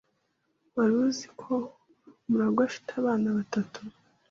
Wari uzi ko Murangwa afite abana batatu?